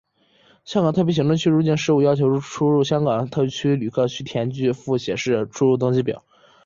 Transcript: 香港特别行政区入境事务处要求入出境香港特区旅客须填具复写式入出境登记表。